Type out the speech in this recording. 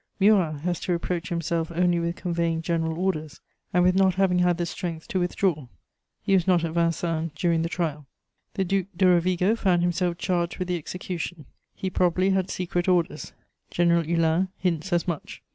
Murat has to reproach himself only with conveying general orders and with not having had the strength to withdraw: he was not at Vincennes during the trial. The Duc de Rovigo found himself charged with the execution; he probably had secret orders: General Hulin hints as much.